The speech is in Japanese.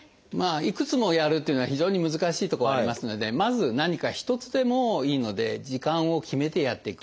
いくつもやるっていうのは非常に難しいとこはありますのでまず何か一つでもいいので時間を決めてやっていく。